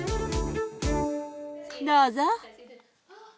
どうぞ。